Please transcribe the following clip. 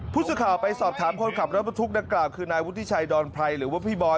ผู้สื่อข่าวไปสอบถามคนขับรถบรรทุกดังกล่าวคือนายวุฒิชัยดอนไพรหรือว่าพี่บอย